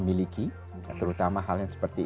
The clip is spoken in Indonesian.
miliki terutama hal yang seperti